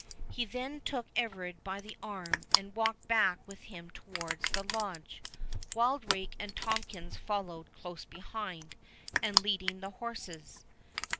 He then took Everard by the arm, and walked back with him towards the Lodge, Wildrake and Tomkins following close behind and leading the horses.